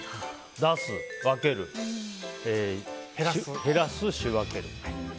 出す、分ける減らす、し仕分ける。